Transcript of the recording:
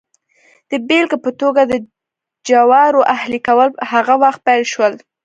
د بېلګې په توګه د جوارو اهلي کول هغه وخت پیل شول